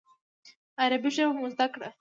عربي ژبه مو زده کړه.